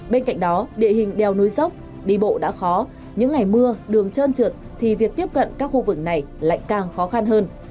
bên cạnh đó địa hình đèo núi dốc đi bộ đã khó những ngày mưa đường trơn trượt thì việc tiếp cận các khu vực này lại càng khó khăn hơn